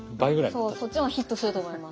そうそっちの方がヒットすると思います。